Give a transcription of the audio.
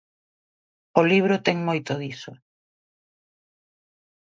O libro ten moito diso.